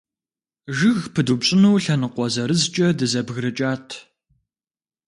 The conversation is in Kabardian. Жыг пыдупщӀыну лъэныкъуэ зырызкӀэ дызэбгрыкӀат.